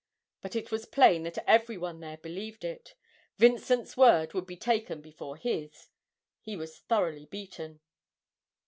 But it was plain that every one there believed it Vincent's word would be taken before his he was thoroughly beaten.